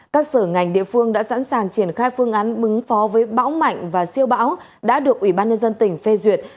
các sở ngành địa phương đã sẵn sàng triển khai phương án ứng phó với bão mạnh và siêu bão đã được ủy ban nhân dân tỉnh phê duyệt